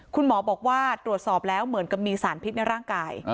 คุณหมอบอกว่าตรวจสอบแล้วเหมือนกับมีสารพิษในร่างกาย